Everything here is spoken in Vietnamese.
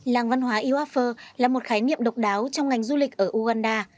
làng văn hóa iwafi là một khái niệm độc đáo trong ngành du lịch ở uganda